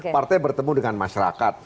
partai bertemu dengan masyarakat